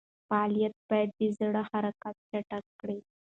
فعالیت باید د زړه حرکت چټک کړي.